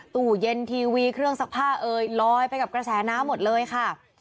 ตู้เย็นทีวีเครื่องซักผ้าเอ่ยลอยไปกับกระแสน้ำหมดเลยค่ะ